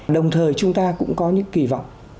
đồng thời chúng ta cũng có những kỳ vọng